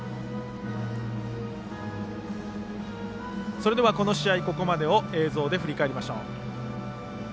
それでは試合のここまでを映像で振り返ります。